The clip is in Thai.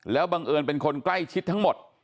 แล้วบังเอิญเป็นคนใกล้ชิดทั้งหมด